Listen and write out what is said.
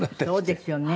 そうですよね。